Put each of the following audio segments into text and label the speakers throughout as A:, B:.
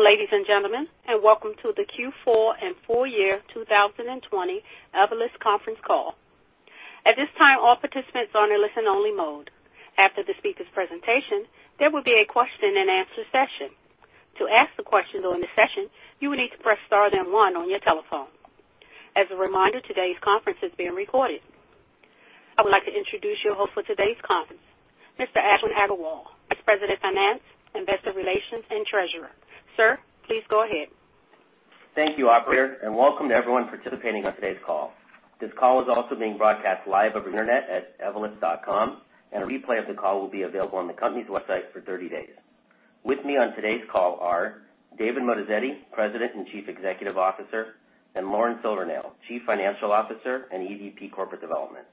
A: Hello, ladies and gentlemen, and welcome to the Q4 and Full Year 2020 Evolus Conference Call. I would like to introduce your host for today's conference, Mr. Ashwin Agarwal, Vice President of Finance, Investor Relations, and Treasurer. Sir, please go ahead.
B: Thank you, operator, and welcome to everyone participating on today's call. This call is also being broadcast live over the internet at evolus.com, and a replay of the call will be available on the company's website for 30 days. With me on today's call are David Moatazedi, President and Chief Executive Officer, and Lauren Silvernail, Chief Financial Officer and EVP Corporate Development.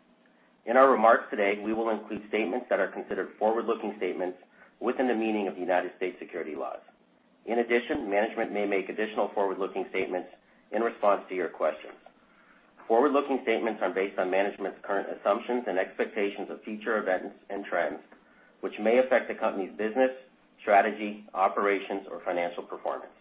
B: In our remarks today, we will include statements that are considered forward-looking statements within the meaning of the United States security laws. In addition, management may make additional forward-looking statements in response to your questions. Forward-looking statements are based on management's current assumptions and expectations of future events and trends, which may affect the company's business, strategy, operations, or financial performance.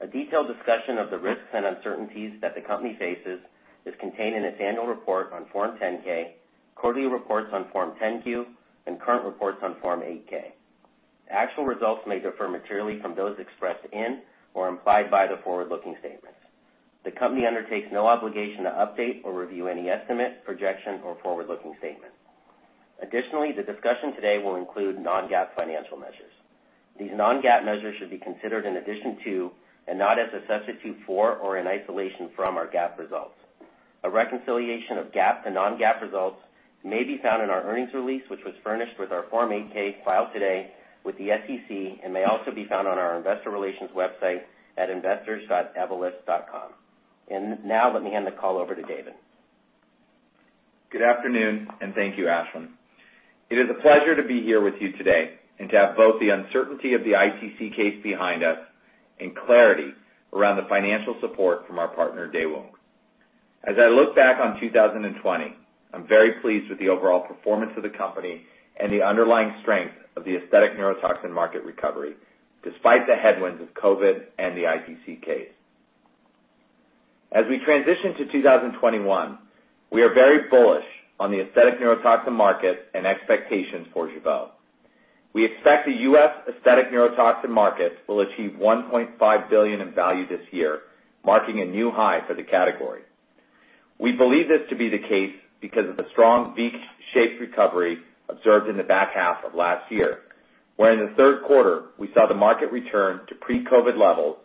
B: A detailed discussion of the risks and uncertainties that the company faces is contained in its annual report on Form 10-K, quarterly reports on Form 10-Q, and current reports on Form 8-K. Actual results may differ materially from those expressed in or implied by the forward-looking statements. The company undertakes no obligation to update or review any estimate, projection, or forward-looking statement. Additionally, the discussion today will include non-GAAP financial measures. These non-GAAP measures should be considered in addition to, and not as a substitute for or in isolation from, our GAAP results. A reconciliation of GAAP to non-GAAP results may be found in our earnings release, which was furnished with our Form 8-K filed today with the SEC and may also be found on our investor relations website at investors.evolus.com. Now let me hand the call over to David.
C: Good afternoon, and thank you, Ashwin. It is a pleasure to be here with you today and to have both the uncertainty of the ITC case behind us and clarity around the financial support from our partner, Daewoong. As I look back on 2020, I'm very pleased with the overall performance of the company and the underlying strength of the aesthetic neurotoxin market recovery, despite the headwinds of COVID and the ITC case. As we transition to 2021, we are very bullish on the aesthetic neurotoxin market and expectations for Jeuveau. We expect the U.S. aesthetic neurotoxin market will achieve $1.5 billion in value this year, marking a new high for the category. We believe this to be the case because of the strong V-shaped recovery observed in the back half of last year, where in the third quarter, we saw the market return to pre-COVID levels,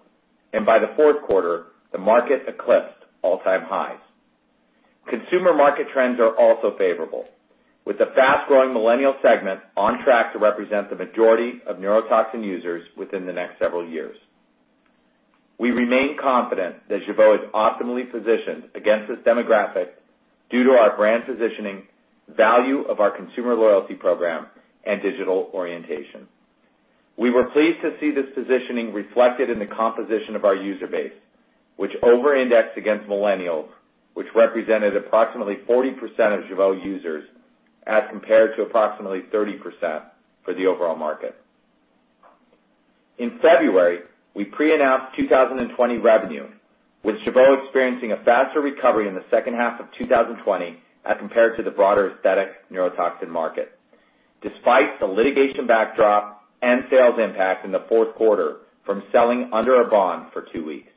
C: and by the fourth quarter, the market eclipsed all-time highs. Consumer market trends are also favorable, with the fast-growing millennial segment on track to represent the majority of neurotoxin users within the next several years. We remain confident that Jeuveau is optimally positioned against this demographic due to our brand positioning, value of our consumer loyalty program, and digital orientation. We were pleased to see this positioning reflected in the composition of our user base, which over-indexed against millennials, which represented approximately 40% of Jeuveau users as compared to approximately 30% for the overall market. In February, we pre-announced 2020 revenue, with Jeuveau experiencing a faster recovery in the second half of 2020 as compared to the broader aesthetic neurotoxin market, despite the litigation backdrop and sales impact in the fourth quarter from selling under a bond for two weeks.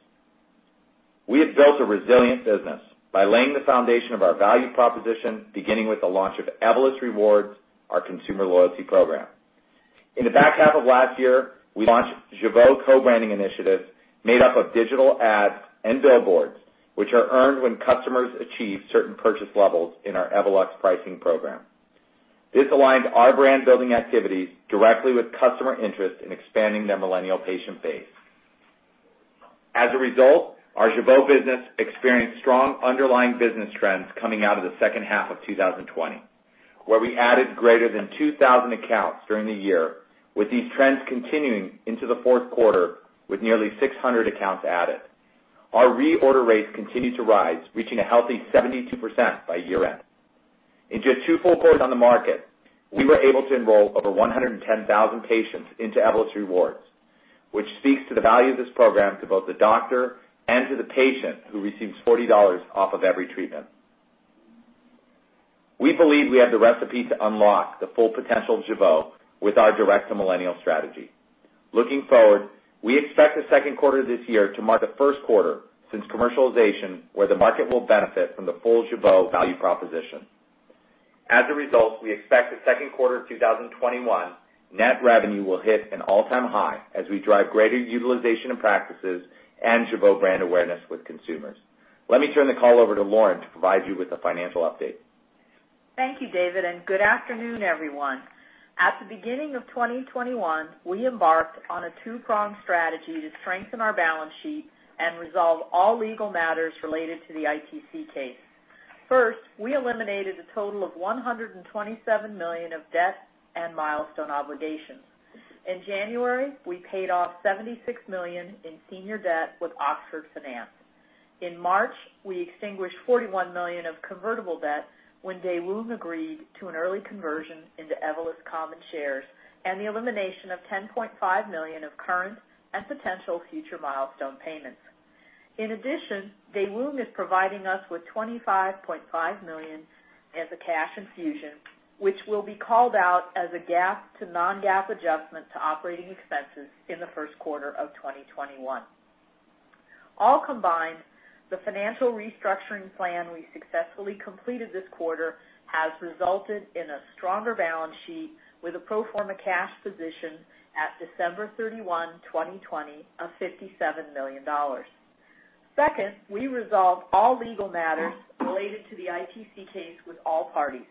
C: We have built a resilient business by laying the foundation of our value proposition, beginning with the launch of Evolus Rewards, our consumer loyalty program. In the back half of last year, we launched Jeuveau co-branding initiatives made up of digital ads and billboards, which are earned when customers achieve certain purchase levels in our Evolus pricing program. This aligned our brand-building activities directly with customer interest in expanding their millennial patient base. As a result, our Jeuveau business experienced strong underlying business trends coming out of the second half of 2020, where we added greater than 2,000 accounts during the year. With these trends continuing into the fourth quarter with nearly 600 accounts added. Our reorder rates continued to rise, reaching a healthy 72% by year-end. In just two full quarters on the market, we were able to enroll over 110,000 patients into Evolus Rewards, which speaks to the value of this program to both the doctor and to the patient who receives $40 off of every treatment. We believe we have the recipe to unlock the full potential of Jeuveau with our direct-to-millennial strategy. Looking forward, we expect the second quarter this year to mark the first quarter since commercialization where the market will benefit from the full Jeuveau value proposition. As a result, we expect the second quarter 2021 net revenue will hit an all-time high as we drive greater utilization in practices and Jeuveau brand awareness with consumers. Let me turn the call over to Lauren to provide you with the financial update.
D: Thank you, David, and good afternoon, everyone. At the beginning of 2021, we embarked on a two-pronged strategy to strengthen our balance sheet and resolve all legal matters related to the ITC case. First, we eliminated a total of $127 million of debt and milestone obligations. In January, we paid off $76 million in senior debt with Oxford Finance. In March, we extinguished $41 million of convertible debt when Daewoong agreed to an early conversion into Evolus common shares and the elimination of $10.5 million of current and potential future milestone payments. In addition, Daewoong is providing us with $25.5 million as a cash infusion, which will be called out as a GAAP to non-GAAP adjustment to operating expenses in the first quarter of 2021. All combined, the financial restructuring plan we successfully completed this quarter has resulted in a stronger balance sheet with a pro forma cash position at December 31, 2020, of $57 million. Second, we resolved all legal matters related to the ITC case with all parties,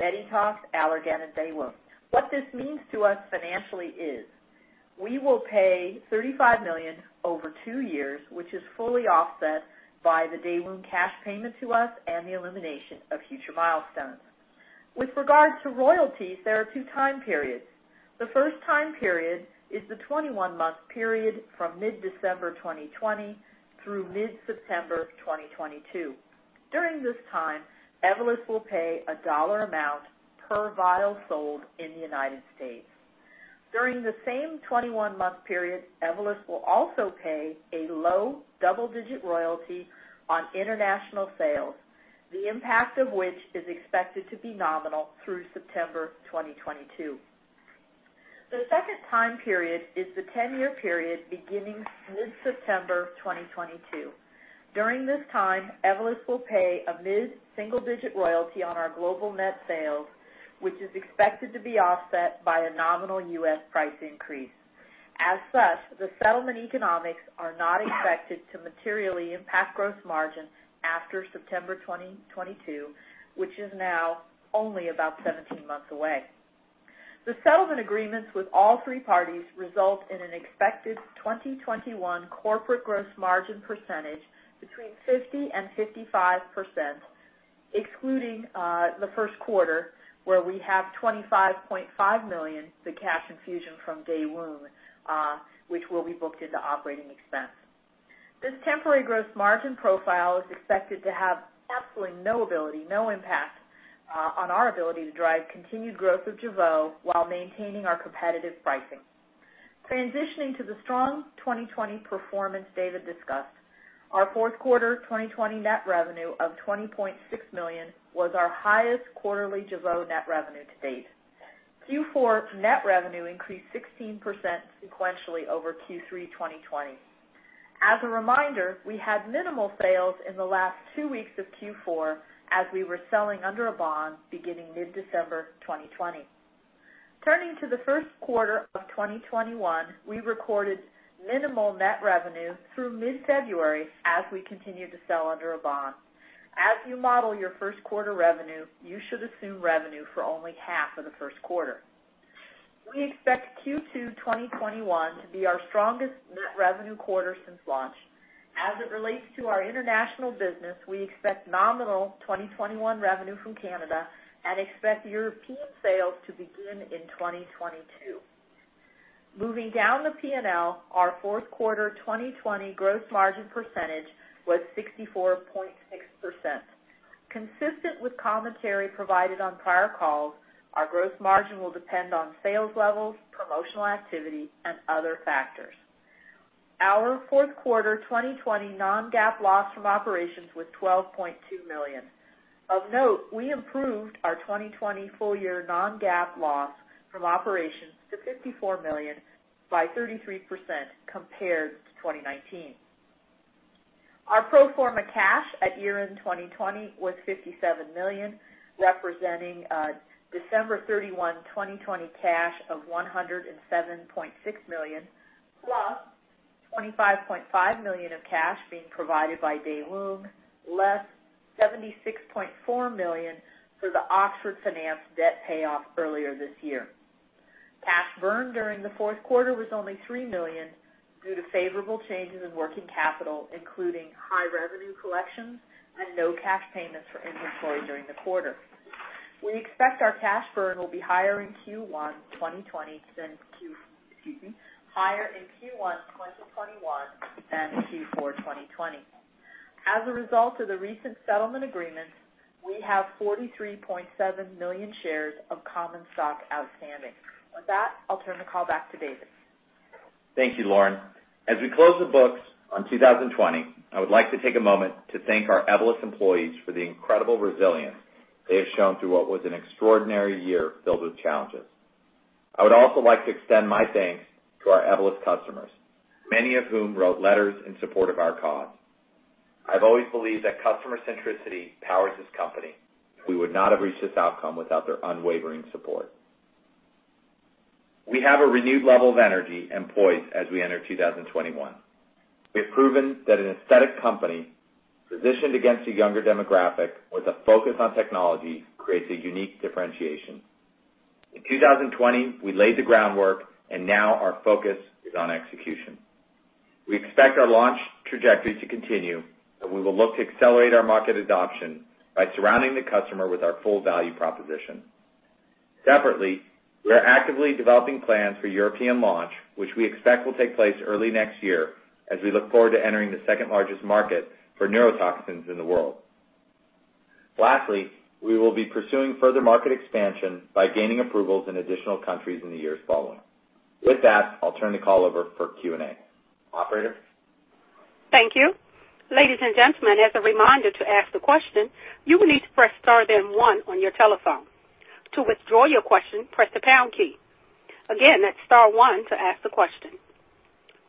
D: Medytox, Allergan, and Daewoong. What this means to us financially is we will pay $35 million over two years, which is fully offset by the Daewoong cash payment to us and the elimination of future milestones. With regards to royalties, there are two time periods. The first time period is the 21-month period from mid-December 2020 through mid-September 2022. During this time, Evolus will pay a dollar amount per vial sold in the United States. During the same 21-month period, Evolus will also pay a low double-digit royalty on international sales, the impact of which is expected to be nominal through September 2022. The second time period is the 10-year period beginning mid-September 2022. During this time, Evolus will pay a mid-single-digit royalty on our global net sales, which is expected to be offset by a nominal U.S. price increase. As such, the settlement economics are not expected to materially impact gross margin after September 2022, which is now only about 17 months away. The settlement agreements with all three parties result in an expected 2021 corporate gross margin percentage between 50% and 55%, excluding the first quarter, where we have $25.5 million, the cash infusion from Daewoong, which will be booked into operating expense. This temporary gross margin profile is expected to have absolutely no ability, no impact on our ability to drive continued growth of Jeuveau while maintaining our competitive pricing. Transitioning to the strong 2020 performance David discussed, our fourth quarter 2020 net revenue of $20.6 million was our highest quarterly Jeuveau net revenue to date. Q4 net revenue increased 16% sequentially over Q3 2020. As a reminder, we had minimal sales in the last two weeks of Q4 as we were selling under a bond beginning mid-December 2020. Turning to the first quarter of 2021, we recorded minimal net revenue through mid-February as we continued to sell under a bond. As you model your first quarter revenue, you should assume revenue for only half of the first quarter. We expect Q2 2021 to be our strongest net revenue quarter since launch. As it relates to our international business, we expect nominal 2021 revenue from Canada and expect European sales to begin in 2022. Moving down the P&L, our fourth quarter 2020 gross margin percentage was 64.6%. Consistent with commentary provided on prior calls, our gross margin will depend on sales levels, promotional activity, and other factors. Our fourth quarter 2020 non-GAAP loss from operations was $12.2 million. Of note, we improved our 2020 full-year non-GAAP loss from operations to $54 million by 33% compared to 2019. Our pro forma cash at year-end 2020 was $57 million, representing a December 31, 2020, cash of $107.6 million, +$25.5 million of cash being provided by Daewoong, less $76.4 million for the Oxford Finance debt payoff earlier this year. Cash burn during the fourth quarter was only $3 million due to favorable changes in working capital, including high revenue collections and no cash payments for inventory during the quarter. We expect our cash burn will be higher in Q1 2021 than Q4 2020. As a result of the recent settlement agreements, we have 43.7 million shares of common stock outstanding. With that, I'll turn the call back to David.
C: Thank you, Lauren. As we close the books on 2020, I would like to take a moment to thank our Evolus employees for the incredible resilience they have shown through what was an extraordinary year filled with challenges. I would also like to extend my thanks to our Evolus customers, many of whom wrote letters in support of our cause. I've always believed that customer centricity powers this company. We would not have reached this outcome without their unwavering support. We have a renewed level of energy and poise as we enter 2021. We have proven that an aesthetic company positioned against a younger demographic with a focus on technology creates a unique differentiation. In 2020, we laid the groundwork. Now our focus is on execution. We expect our launch trajectory to continue, and we will look to accelerate our market adoption by surrounding the customer with our full value proposition. Separately, we are actively developing plans for European launch, which we expect will take place early next year as we look forward to entering the second largest market for neurotoxins in the world. Lastly, we will be pursuing further market expansion by gaining approvals in additional countries in the years following. With that, I'll turn the call over for Q&A. Operator?
A: Thank you. Ladies and gentlemen, as a reminder, to ask the question, you will need to press star, then one on your telephone. To withdraw your question, press the pound key. Again, that's star one to ask the question.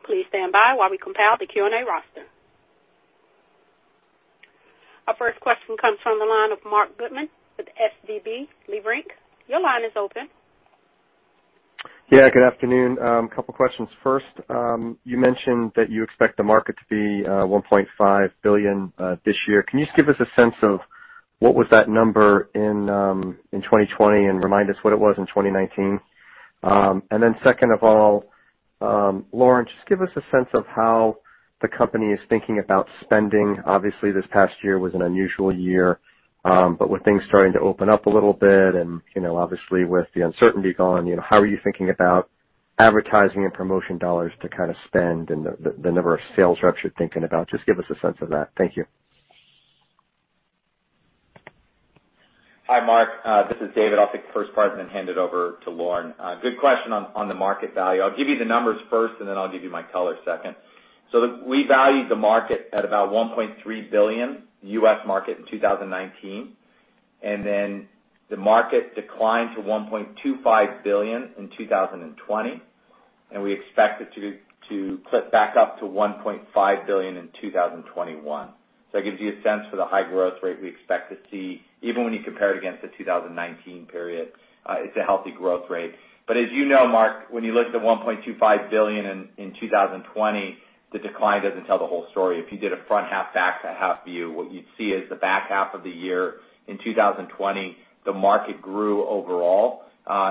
A: Please stand by while we compile the Q&A roster. Our first question comes from the line of Marc Goodman with SVB Leerink. Your line is open.
E: Good afternoon. A couple questions. First, you mentioned that you expect the market to be $1.5 billion this year. Can you just give us a sense of what was that number in 2020 and remind us what it was in 2019? Second of all, Lauren, just give us a sense of how the company is thinking about spending. Obviously, this past year was an unusual year. With things starting to open up a little bit and obviously with the uncertainty gone, how are you thinking about advertising and promotion dollars to spend and the number of sales reps you're thinking about? Just give us a sense of that. Thank you.
C: Hi, Marc. This is David. I'll take the first part and then hand it over to Lauren. Good question on the market value. I'll give you the numbers first, and then I'll give you my color second. We valued the market at about $1.3 billion U.S. market in 2019, and then the market declined to $1.25 billion in 2020, and we expect it to clip back up to $1.5 billion in 2021. That gives you a sense for the high growth rate we expect to see. Even when you compare it against the 2019 period, it's a healthy growth rate. As you know, Marc, when you look at the $1.25 billion in 2020, the decline doesn't tell the whole story. If you did a front half, back half view, what you'd see is the back half of the year in 2020, the market grew overall.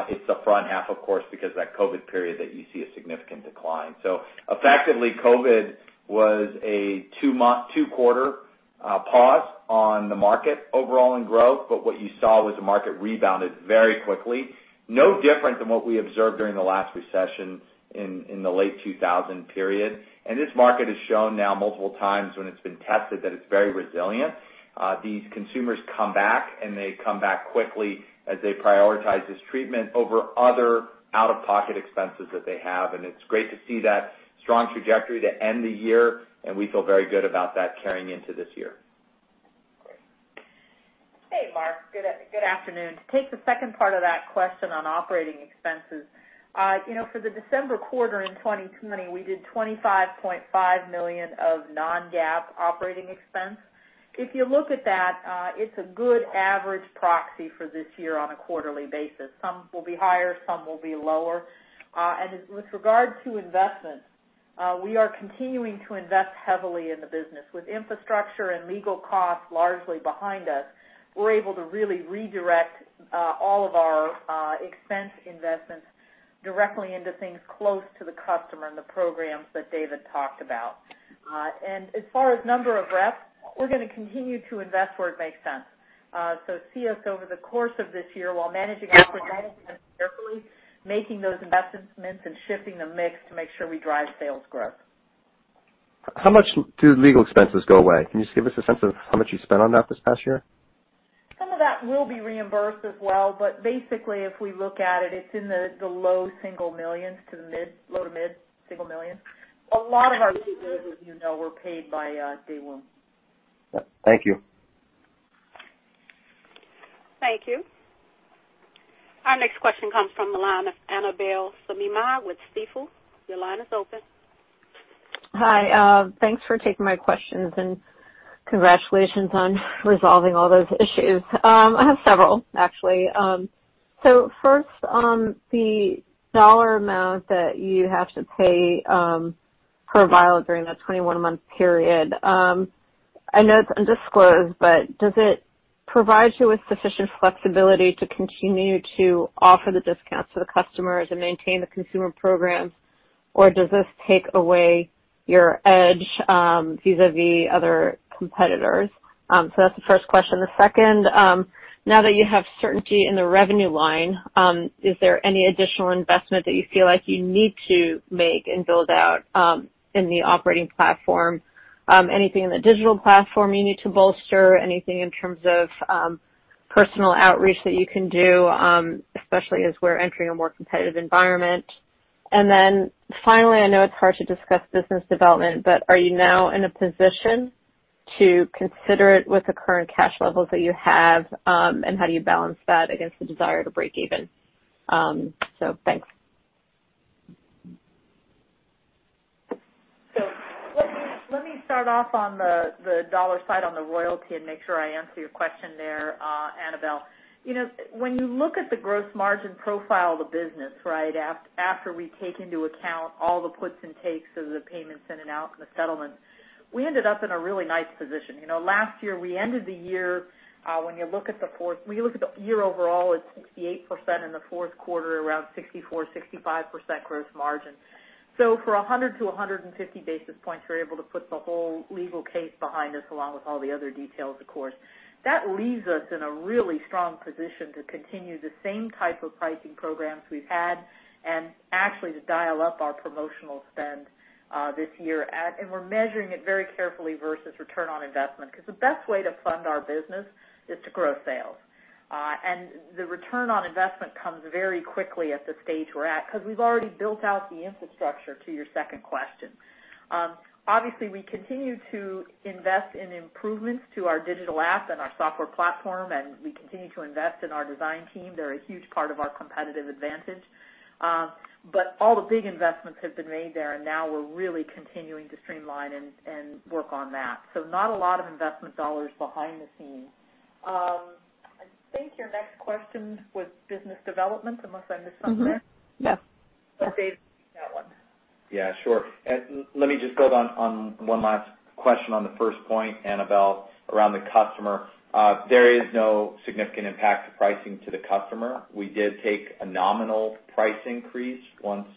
C: It's the front half, of course, because of that COVID period that you see a significant decline. Effectively, COVID was a two-quarter pause on the market overall in growth. What you saw was the market rebounded very quickly, no different than what we observed during the last recession in the late 2000 period. This market has shown now multiple times when it's been tested that it's very resilient. These consumers come back, and they come back quickly as they prioritize this treatment over other out-of-pocket expenses that they have. It's great to see that strong trajectory to end the year. We feel very good about that carrying into this year.
D: Great. Hey, Marc. Good afternoon. To take the second part of that question on operating expenses. For the December quarter in 2020, we did $25.5 million of non-GAAP operating expense. If you look at that, it's a good average proxy for this year on a quarterly basis. Some will be higher, some will be lower. With regard to investments, we are continuing to invest heavily in the business. With infrastructure and legal costs largely behind us, we're able to really redirect all of our expense investments directly into things close to the customer and the programs that David talked about. As far as number of reps, we're going to continue to invest where it makes sense. See us over the course of this year while managing our fundamentals carefully, making those investments and shifting the mix to make sure we drive sales growth.
E: How much do legal expenses go away? Can you just give us a sense of how much you spent on that this past year?
D: Some of that will be reimbursed as well, but basically, if we look at it's in the low single millions to the low to mid-single millions. A lot of our legal, as you know, were paid by Daewoong.
E: Thank you.
A: Thank you. Our next question comes from the line of Annabel Samimy with Stifel. Your line is open.
F: Hi. Thanks for taking my questions, and congratulations on resolving all those issues. I have several, actually. First, the dollar amount that you have to pay per vial during that 21-month period. Does it provide you with sufficient flexibility to continue to offer the discounts to the customers and maintain the consumer programs, or does this take away your edge vis-à-vis other competitors? That's the first question. The second, now that you have certainty in the revenue line, is there any additional investment that you feel like you need to make and build out in the operating platform? Anything in the digital platform you need to bolster? Anything in terms of personal outreach that you can do, especially as we're entering a more competitive environment? Finally, I know it's hard to discuss business development, but are you now in a position to consider it with the current cash levels that you have? How do you balance that against the desire to break even? Thanks.
D: Let me start off on the dollar side on the royalty and make sure I answer your question there, Annabel. When you look at the gross margin profile of the business after we take into account all the puts and takes of the payments in and out and the settlement, we ended up in a really nice position. Last year, we ended the year, when you look at the year overall, it's 68% in the fourth quarter, around 64%-65% gross margin. For 100 basis points-150 basis points, we're able to put the whole legal case behind us, along with all the other details, of course. That leaves us in a really strong position to continue the same type of pricing programs we've had and actually to dial up our promotional spend this year. We're measuring it very carefully versus ROI, because the best way to fund our business is to grow sales. The ROI comes very quickly at the stage we're at, because we've already built out the infrastructure to your second question. Obviously, we continue to invest in improvements to our digital app and our software platform, and we continue to invest in our design team. They're a huge part of our competitive advantage. All the big investments have been made there, and now we're really continuing to streamline and work on that. Not a lot of investment dollars behind the scenes. I think your next question was BD, unless I missed something.
F: Mm-hmm. Yeah.
D: I'll give it to David for that one.
C: Yeah, sure. Let me just build on one last question on the first point, Annabel, around the customer. There is no significant impact to pricing to the customer. We did take a nominal price increase once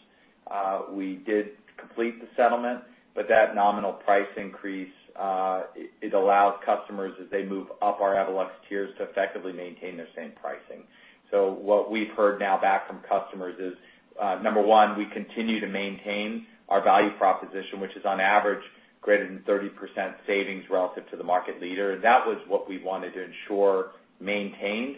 C: we did complete the settlement, but that nominal price increase, it allows customers as they move up our Evolus tiers to effectively maintain their same pricing. What we've heard now back from customers is, number one, we continue to maintain our value proposition, which is on average greater than 30% savings relative to the market leader. That was what we wanted to ensure maintained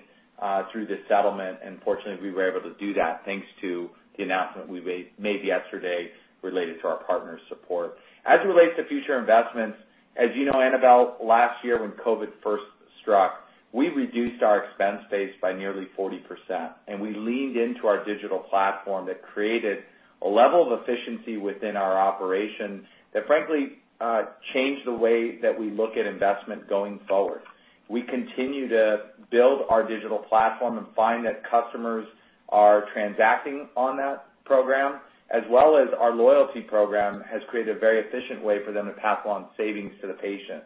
C: through this settlement. Fortunately, we were able to do that thanks to the announcement we made yesterday related to our partner support. As it relates to future investments, as you know, Annabel, last year when COVID first struck, we reduced our expense base by nearly 40%. We leaned into our digital platform that created a level of efficiency within our operation that frankly, changed the way that we look at investment going forward. We continue to build our digital platform. We find that customers are transacting on that program, as well as our loyalty program has created a very efficient way for them to pass along savings to the patient.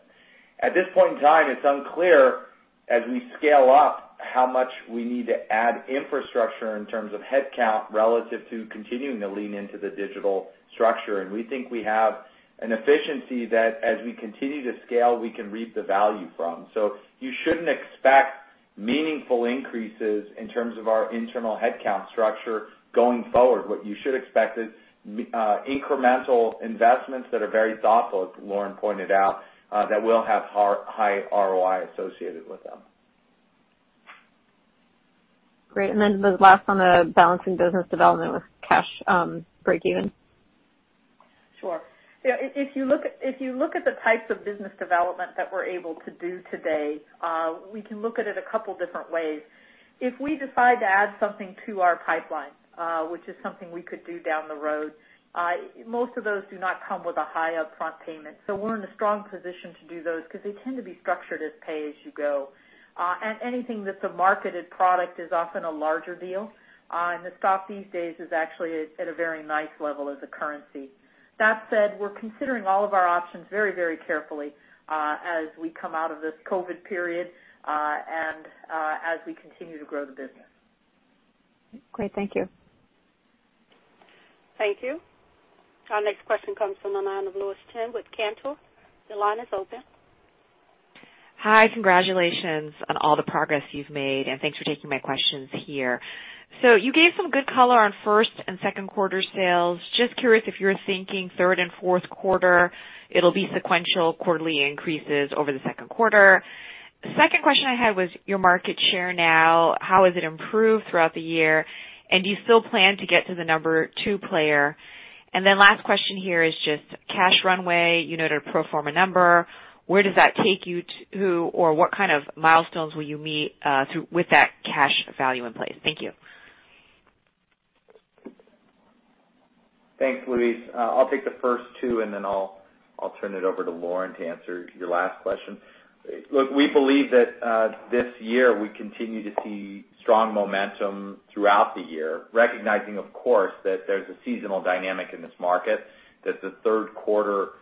C: At this point in time, it's unclear as we scale up how much we need to add infrastructure in terms of headcount relative to continuing to lean into the digital structure. We think we have an efficiency that as we continue to scale, we can reap the value from. You shouldn't expect meaningful increases in terms of our internal headcount structure going forward. What you should expect is incremental investments that are very thoughtful, as Lauren pointed out, that will have high ROI associated with them.
F: Great. The last one, balancing business development with cash breakeven.
D: Sure. If you look at the types of business development that we're able to do today, we can look at it a couple different ways. If we decide to add something to our pipeline, which is something we could do down the road, most of those do not come with a high upfront payment. We're in a strong position to do those because they tend to be structured as pay as you go. Anything that's a marketed product is often a larger deal. The stock these days is actually at a very nice level as a currency. That said, we're considering all of our options very carefully as we come out of this COVID period and as we continue to grow the business.
F: Great. Thank you.
A: Thank you. Our next question comes from the line of Louise Chen with Cantor. Your line is open.
G: Hi. Congratulations on all the progress you've made, and thanks for taking my questions here. You gave some good color on first and second quarter sales. Just curious if you're thinking third and fourth quarter, it'll be sequential quarterly increases over the second quarter. Second question I had was your market share now, how has it improved throughout the year? Do you still plan to get to the number two player? Last question here is just cash runway, you noted pro forma number. Where does that take you to, or what kind of milestones will you meet with that cash value in place? Thank you.
C: Thanks, Louise. I'll take the first two, and then I'll turn it over to Lauren to answer your last question. Look, we believe that this year we continue to see strong momentum throughout the year, recognizing, of course, that there's a seasonal dynamic in this market, that the third quarter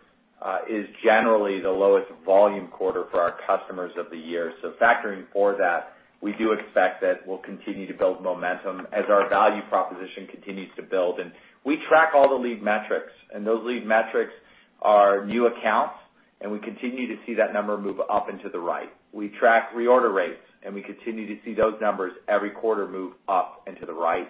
C: is generally the lowest volume quarter for our customers of the year. Factoring for that, we do expect that we'll continue to build momentum as our value proposition continues to build. We track all the lead metrics, and those lead metrics are new accounts, and we continue to see that number move up and to the right. We track reorder rates, and we continue to see those numbers every quarter move up and to the right.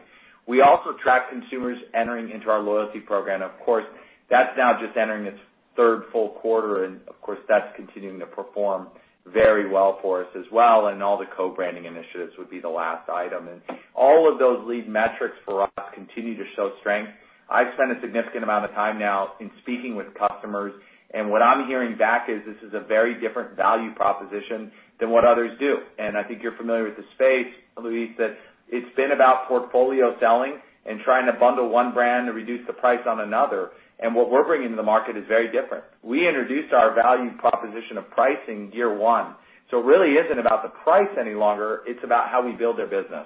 C: We also track consumers entering into our loyalty program. Of course, that's now just entering its third full quarter, and of course, that's continuing to perform very well for us as well, and all the co-branding initiatives would be the last item. All of those lead metrics for us continue to show strength. I've spent a significant amount of time now in speaking with customers, and what I'm hearing back is this is a very different value proposition than what others do. I think you're familiar with the space, Louise, that it's been about portfolio selling and trying to bundle one brand to reduce the price on another. What we're bringing to the market is very different. We introduced our value proposition of pricing year one. It really isn't about the price any longer, it's about how we build their business.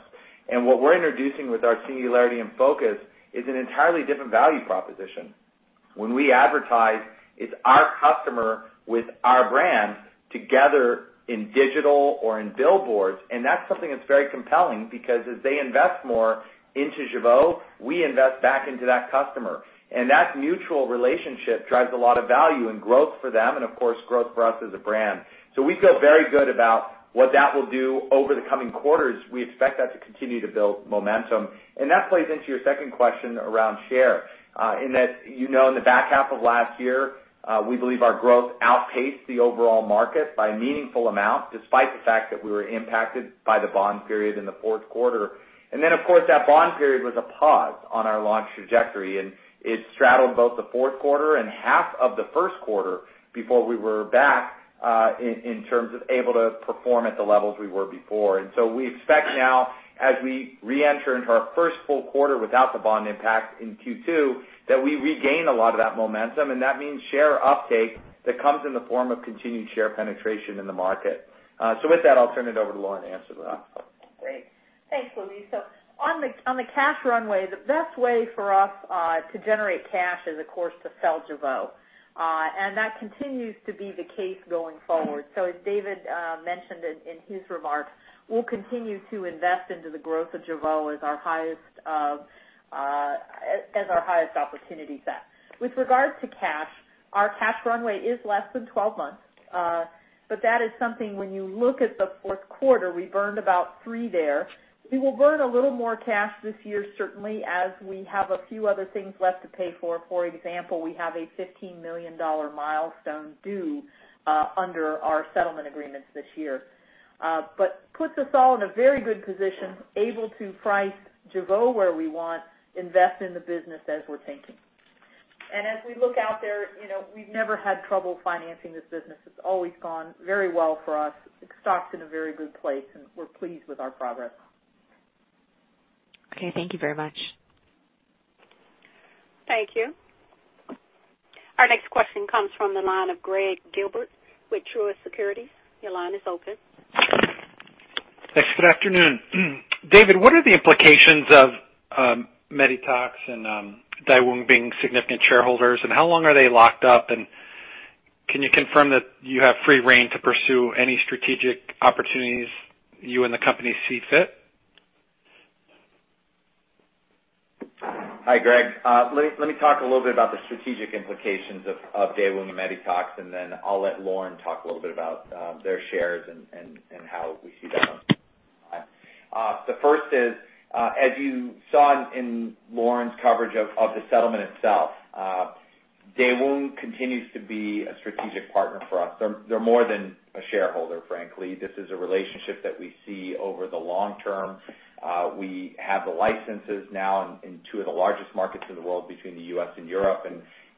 C: What we're introducing with our singularity and focus is an entirely different value proposition. When we advertise, it's our customer with our brand together in digital or in billboards. That's something that's very compelling because as they invest more into Jeuveau, we invest back into that customer. That mutual relationship drives a lot of value and growth for them and of course, growth for us as a brand. We feel very good about what that will do over the coming quarters. We expect that to continue to build momentum. That plays into your second question around share, in that you know in the back half of last year, we believe our growth outpaced the overall market by a meaningful amount, despite the fact that we were impacted by the Bond Period in the fourth quarter. Then, of course, that bond period was a pause on our launch trajectory, and it straddled both the fourth quarter and half of the first quarter before we were back, in terms of able to perform at the levels we were before. So, we expect now as we reenter into our first full quarter without the bond impact in Q2, that we regain a lot of that momentum, and that means share uptake that comes in the form of continued share penetration in the market. With that, I'll turn it over to Lauren to answer the rest.
D: Great. Thanks, Louise. On the cash runway, the best way for us to generate cash is, of course, to sell Jeuveau. That continues to be the case going forward. As David mentioned in his remarks, we'll continue to invest into the growth of Jeuveau as our highest opportunity set. With regards to cash, our cash runway is less than 12 months. That is something when you look at the fourth quarter, we burned about $3 there. We will burn a little more cash this year, certainly, as we have a few other things left to pay for. For example, we have a $15 million milestone due under our settlement agreements this year. Puts us all in a very good position, able to price Jeuveau where we want, invest in the business as we're thinking. As we look out there, we've never had trouble financing this business. It's always gone very well for us. The stock's in a very good place, and we're pleased with our progress.
G: Okay. Thank you very much.
D: Thank you.
A: Our next question comes from the line of Greg Gilbert with Truist Securities. Your line is open.
H: Thanks. Good afternoon. David, what are the implications of Medytox and Daewoong being significant shareholders, and how long are they locked up? Can you confirm that you have free rein to pursue any strategic opportunities you and the company see fit?
C: Hi, Greg. Let me talk a little bit about the strategic implications of Daewoong and Medytox, and then I'll let Lauren talk a little bit about their shares and how we see that on time. The first is, as you saw in Lauren's coverage of the settlement itself, Daewoong continues to be a strategic partner for us. They're more than a shareholder, frankly. This is a relationship that we see over the long term. We have the licenses now in two of the largest markets in the world between the U.S. and Europe,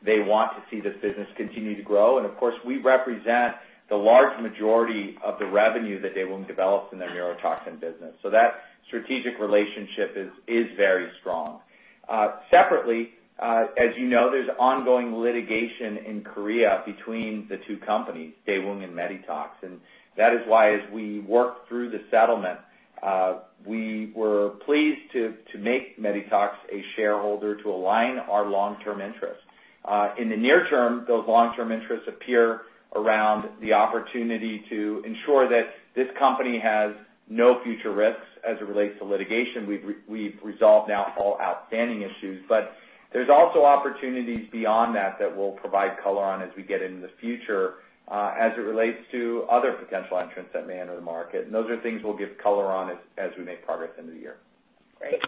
C: they want to see this business continue to grow. Of course, we represent the large majority of the revenue that Daewoong developed in their neurotoxin business. That strategic relationship is very strong. Separately, as you know, there's ongoing litigation in Korea between the two companies, Daewoong and Medytox. That is why as we worked through the settlement, we were pleased to make Medytox a shareholder to align our long-term interests. In the near term, those long-term interests appear around the opportunity to ensure that this company has no future risks as it relates to litigation. We've resolved now all outstanding issues. There's also opportunities beyond that that we'll provide color on as we get into the future, as it relates to other potential entrants that may enter the market. Those are things we'll give color on as we make progress into the year.
H: Great.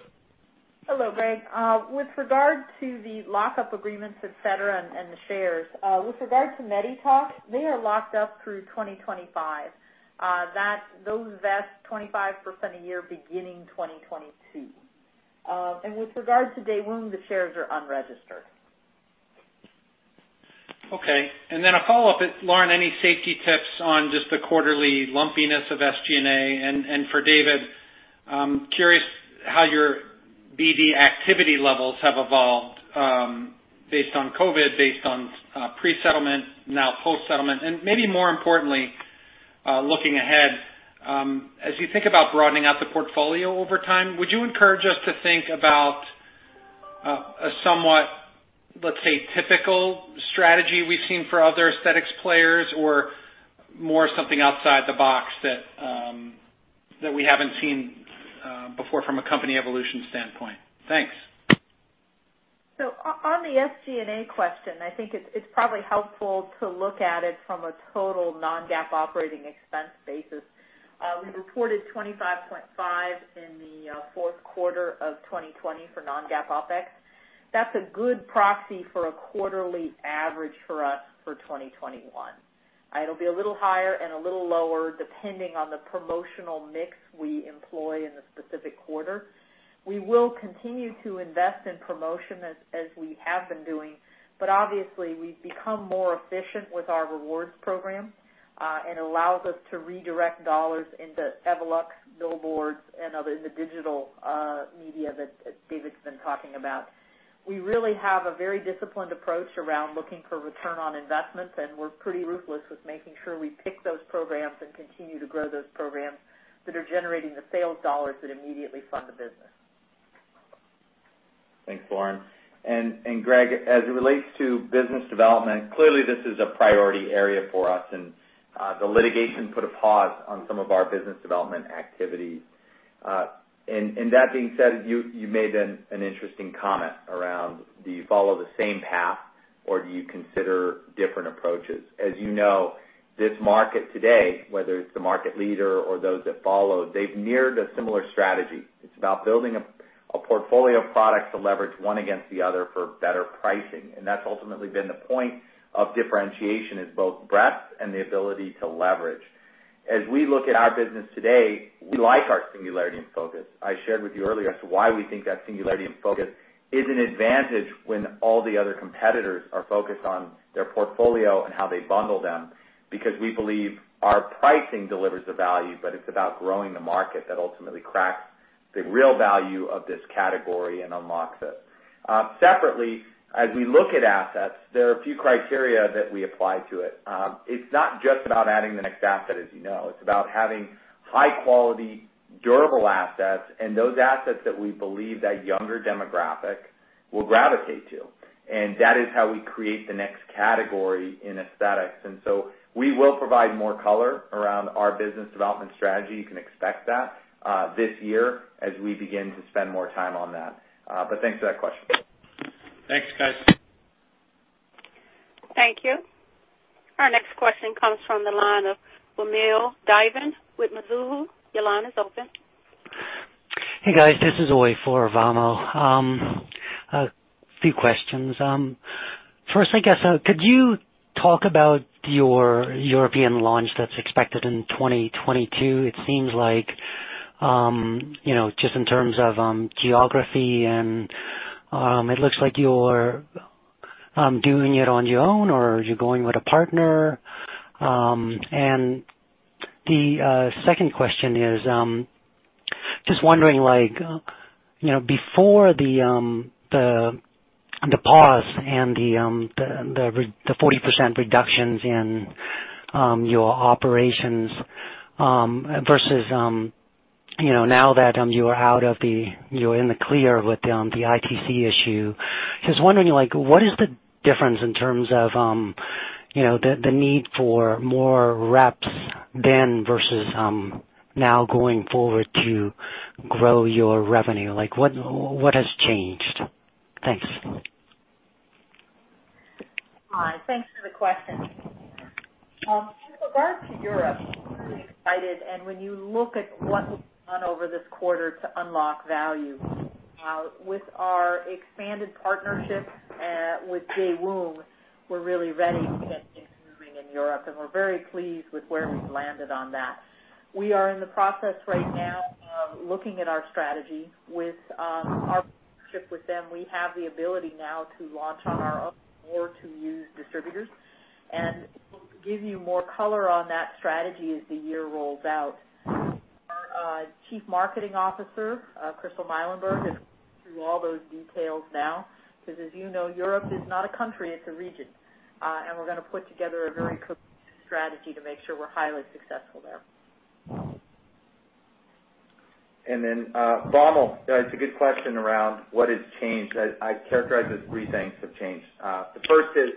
D: Hello, Greg. With regard to the lockup agreements, et cetera, and the shares, with regard to Medytox, they are locked up through 2025. Those vest 25% a year beginning 2022. With regard to Daewoong, the shares are unregistered.
H: Okay. Then a follow-up. Lauren, any safety tips on just the quarterly lumpiness of SG&A? For David, I'm curious how your BD activity levels have evolved, based on COVID, based on pre-settlement, now post-settlement. Maybe more importantly, looking ahead, as you think about broadening out the portfolio over time, would you encourage us to think about a somewhat, let's say, typical strategy we've seen for other aesthetics players or more something outside the box that we haven't seen before from a company evolution standpoint? Thanks.
D: On the SG&A question, I think it's probably helpful to look at it from a total non-GAAP operating expense basis. We reported $25.5 in the fourth quarter of 2020 for non-GAAP OpEx. That's a good proxy for a quarterly average for us for 2021. It'll be a little higher and a little lower depending on the promotional mix we employ in the specific quarter. We will continue to invest in promotion as we have been doing, but obviously, we've become more efficient with our Rewards program. It allows us to redirect dollars into Evolux, billboards, and other in the digital media that David's been talking about. We really have a very disciplined approach around looking for return on investments, and we're pretty ruthless with making sure we pick those programs and continue to grow those programs that are generating the sales dollars that immediately fund the business.
C: Thanks, Lauren. Greg, as it relates to business development, clearly this is a priority area for us, and the litigation put a pause on some of our business development activity. That being said, you made an interesting comment around, do you follow the same path or do you consider different approaches? As you know, this market today, whether it's the market leader or those that follow, they've neared a similar strategy. It's about building a portfolio of products to leverage one against the other for better pricing. That's ultimately been the point of differentiation, is both breadth and the ability to leverage. As we look at our business today, we like our singularity and focus. I shared with you earlier as to why we think that singularity and focus is an advantage when all the other competitors are focused on their portfolio and how they bundle them. We believe our pricing delivers the value. It's about growing the market that ultimately cracks the real value of this category and unlocks it. Separately, as we look at assets, there are a few criteria that we apply to it. It's not just about adding the next asset, as you know. It's about having high-quality, durable assets, those assets that we believe that younger demographic will gravitate to. That is how we create the next category in aesthetics. We will provide more color around our business development strategy. You can expect that this year as we begin to spend more time on that. Thanks for that question.
H: Thanks, guys.
A: Thank you. Our next question comes from the line of Vamil Divan with Mizuho. Your line is open.
I: Hey, guys, this is Uy for Vamil Divan. A few questions. First, I guess, could you talk about your European launch that's expected in 2022? It seems like, just in terms of geography and it looks like you're doing it on your own or are you going with a partner? The second question is, just wondering, before the pause and the 40% reductions in your operations, versus now that you are in the clear with the ITC issue. Just wondering, what is the difference in terms of the need for more reps then versus now going forward to grow your revenue? What has changed? Thanks.
D: Hi. Thanks for the question. With regard to Europe, we're excited, and when you look at what we've done over this quarter to unlock value. With our expanded partnership with Daewoong, we're really ready to get things moving in Europe, and we're very pleased with where we've landed on that. We are in the process right now of looking at our strategy. With our partnership with them, we have the ability now to launch on our own or to use distributors, and we'll give you more color on that strategy as the year rolls out. Our Chief Marketing Officer, Crystal Muilenburg, is through all those details now, because as you know, Europe is not a country, it's a region. We're going to put together a very cohesive strategy to make sure we're highly successful there.
C: Vamil, it's a good question around what has changed. I characterize it as three things have changed. The first is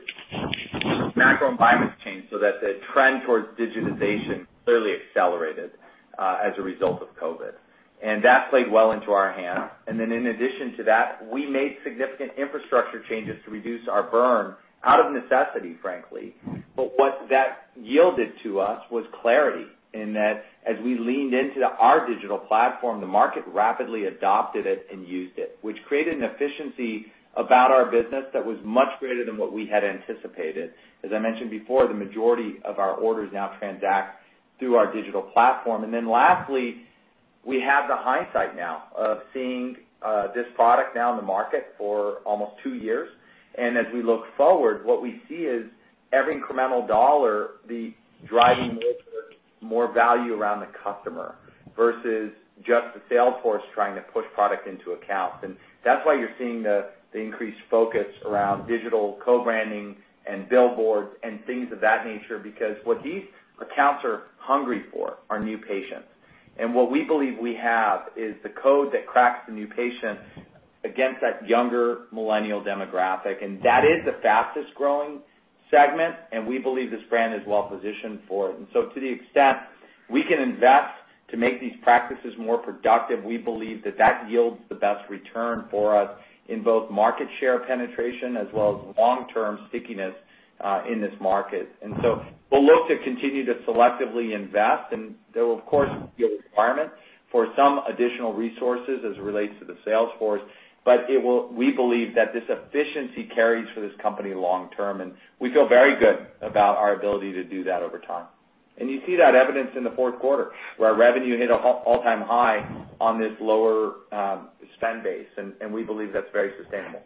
C: the macro environment changed so that the trend towards digitization clearly accelerated as a result of COVID. That played well into our hands. In addition to that, we made significant infrastructure changes to reduce our burn out of necessity, frankly. What that yielded to us was clarity in that as we leaned into our digital platform, the market rapidly adopted it and used it, which created an efficiency about our business that was much greater than what we had anticipated. As I mentioned before, the majority of our orders now transact through our digital platform. Lastly, we have the hindsight now of seeing this product now in the market for almost two years. As we look forward, what we see is every incremental dollar be driving more towards more value around the customer versus just the sales force trying to push product into accounts. That's why you're seeing the increased focus around digital co-branding and billboards and things of that nature, because what these accounts are hungry for are new patients. What we believe we have is the code that cracks the new patient against that younger millennial demographic, and that is the fastest-growing segment, and we believe this brand is well positioned for it. To the extent we can invest to make these practices more productive, we believe that that yields the best return for us in both market share penetration as well as long-term stickiness in this market. We'll look to continue to selectively invest, and there will, of course, be a requirement for some additional resources as it relates to the sales force. We believe that this efficiency carries for this company long term, and we feel very good about our ability to do that over time. You see that evidenced in the fourth quarter, where our revenue hit an all-time high on this lower spend base, and we believe that's very sustainable.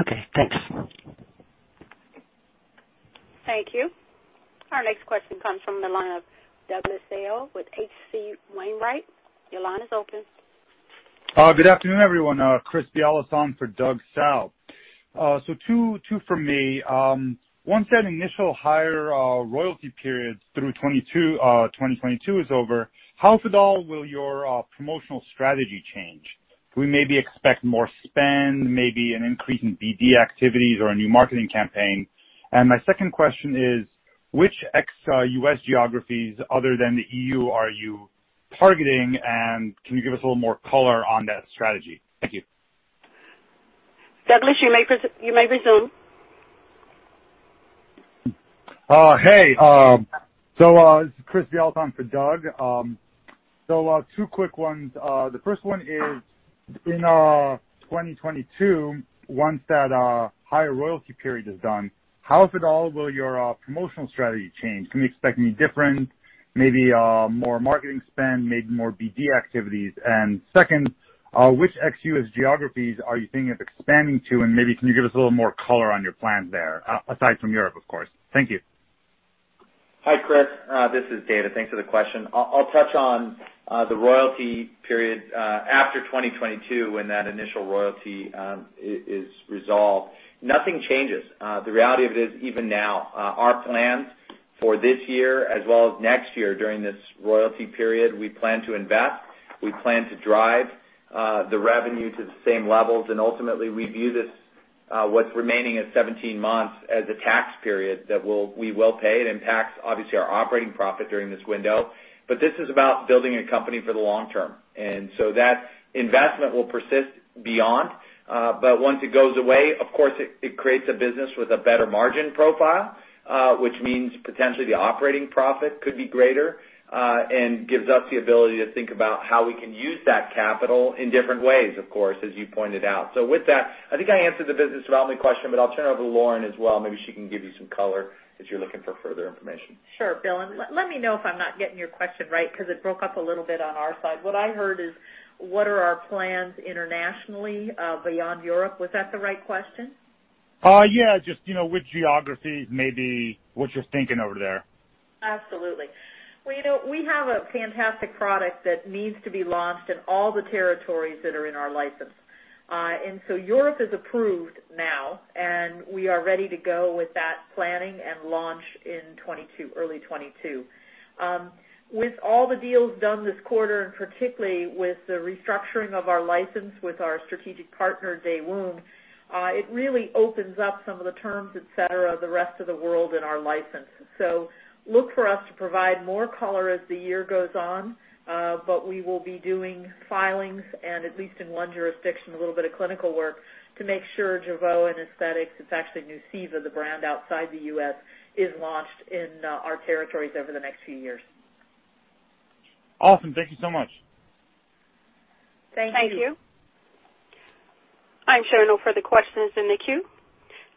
I: Okay, thanks.
A: Thank you. Our next question comes from the line of Douglas Tsao with H.C. Wainwright. Your line is open.
J: Good afternoon, everyone. Chris Bialas for Douglas Tsao. Two from me. Once that initial higher royalty period through 2022 is over, how, if at all, will your promotional strategy change? Can we maybe expect more spend, maybe an increase in BD activities or a new marketing campaign? My second question is, which ex-U.S. geographies other than the EU are you targeting, and can you give us a little more color on that strategy? Thank you.
A: Douglas, you may resume.
J: Hey. This is Chris Bialas for Doug. Two quick ones. The first one is, in 2022, once that higher royalty period is done, how, if at all, will your promotional strategy change? Can we expect any different, maybe more marketing spend, maybe more BD activities? Second, which ex-U.S. geographies are you thinking of expanding to? Maybe can you give us a little more color on your plans there, aside from Europe, of course. Thank you.
C: Hi, Chris. This is David. Thanks for the question. I'll touch on the royalty period after 2022, when that initial royalty is resolved. Nothing changes. The reality of it is, even now, our plans for this year as well as next year during this royalty period, we plan to invest, we plan to drive the revenue to the same levels. Ultimately, we view this, what's remaining as 17 months, as a tax period that we will pay. It impacts, obviously, our operating profit during this window. This is about building a company for the long term. That investment will persist beyond. Once it goes away, of course, it creates a business with a better margin profile, which means potentially the operating profit could be greater, and gives us the ability to think about how we can use that capital in different ways, of course, as you pointed out. With that, I think I answered the business development question, but I'll turn it over to Lauren as well. Maybe she can give you some color if you're looking for further information.
D: Sure. Bialas, let me know if I'm not getting your question right, because it broke up a little bit on our side. What I heard is, what are our plans internationally beyond Europe? Was that the right question?
J: Yeah. Just which geographies, maybe what you're thinking over there.
D: Absolutely. Well, we have a fantastic product that needs to be launched in all the territories that are in our license. Europe is approved now, and we are ready to go with that planning and launch in early 2022. With all the deals done this quarter, and particularly with the restructuring of our license with our strategic partner, Daewoong, it really opens up some of the terms, et cetera, the rest of the world in our license. Look for us to provide more color as the year goes on. We will be doing filings and, at least in one jurisdiction, a little bit of clinical work to make sure Jeuveau and aesthetics, it's actually Nuceiva, the brand outside the U.S., is launched in our territories over the next few years.
J: Awesome. Thank you so much.
D: Thank you.
A: Thank you. I'm showing no further questions in the queue.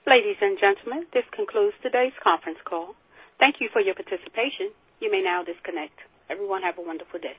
A: Ladies and gentlemen, this concludes today's conference call. Thank you for your participation. You may now disconnect. Everyone, have a wonderful day.